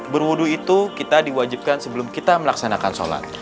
berwudu itu kita diwajibkan sebelum kita melaksanakan sholat